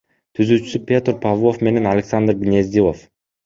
Түзүүчүсү — Петр Павлов менен Александр Гнездилов.